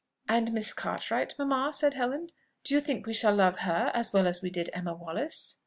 "And Miss Cartwright, mamma?" said Helen; "do you think we shall love her as well as we did Emma Wallace?"